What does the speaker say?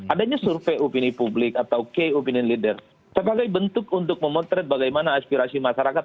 adanya survei opini publik atau key opinion leader sebagai bentuk untuk memotret bagaimana aspirasi masyarakat